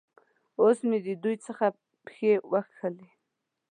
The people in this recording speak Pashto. اوس مې د دوی څخه پښې وکښلې.